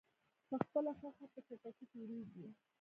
په خپله خوښه په چټکۍ تېریږي.